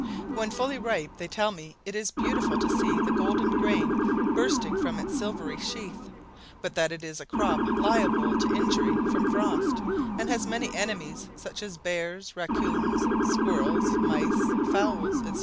When fully ripe they tell me it is beautiful to see the golden grain bursting from its silvery sheath; but that it is a crop liable to injury from frost, and has many enemies, such as bears, racoons, squirrels, mice, fowls, &c.